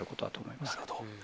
なるほど。